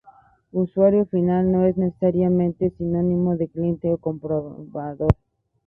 Usuario final no es necesariamente sinónimo de cliente o comprador.